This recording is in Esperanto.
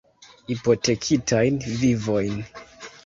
Hipotekitajn vivojn.